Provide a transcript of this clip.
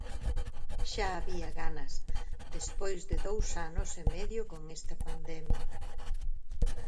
Xa había ganas, despois de dous anos e medio con esta pandemia...